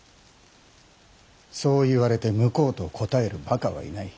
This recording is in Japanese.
そう言われて向こうと答えるばかはいない。